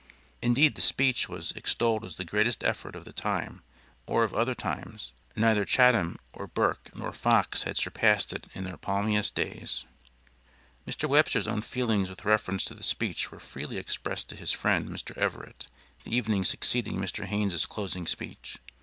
Indeed the speech was extolled as the greatest effort of the time or of other times neither Chatham or Burke nor Fox had surpassed it in their palmiest days. Mr. Webster's own feelings with reference to the speech were freely expressed to his friend, Mr. Everett, the evening succeeding Mr. Hayne's closing speech.